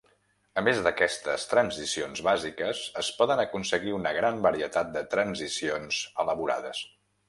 A més d’aquestes transicions bàsiques, es poden aconseguir una gran varietat de transicions elaborades.